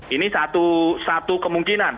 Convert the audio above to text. ini satu kemungkinan